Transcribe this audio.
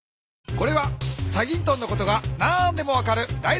これは『チャギントン』のことが何でも分かるだい